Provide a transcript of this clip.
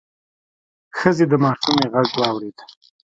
ښځې د ماشومې غږ واورېد: